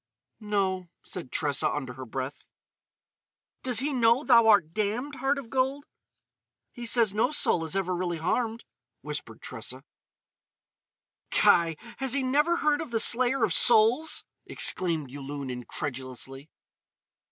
"No," said Tressa, under her breath. "Does he know thou art damned, heart of gold?" "He says no soul is ever really harmed," whispered Tressa. "Kai! Has he never heard of the Slayer of Souls?" exclaimed Yulun incredulously.